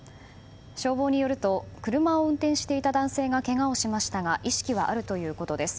消防によると車を運転していた男性がけがをしましたが意識はあるということです。